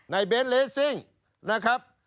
นายเบนเรซิ่งนะครับ